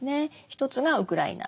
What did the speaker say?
一つがウクライナ